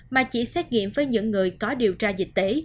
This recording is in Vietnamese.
mà chỉ xét nghiệm với những người có điều tra dịch tế